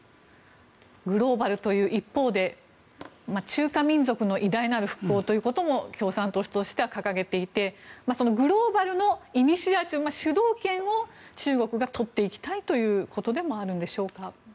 グローバルという一方で中華民族の偉大なる復興ということを共産党としては掲げていてグローバルの主導権を中国がとっていきたいということでもあるんでしょうか。